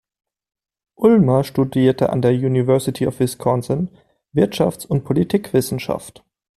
Ulmer studierte an der University of Wisconsin Wirtschafts- und Politikwissenschaft.